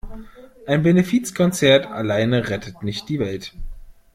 Ein Benefizkonzert alleine rettet nicht die Welt.